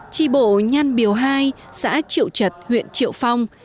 tri bộ nhân biểu hai xã triệu trật huyện triệu phong